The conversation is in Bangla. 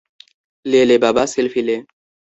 লে লে বাবা, সেলফি লে!